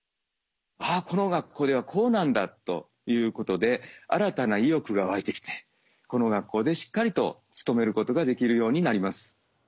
「ああこの学校ではこうなんだ」ということで新たな意欲が湧いてきてこの学校でしっかりと勤めることができるようになります。